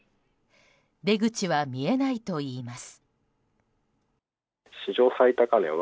出口は見えないといいます。